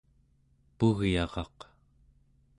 pugyaraq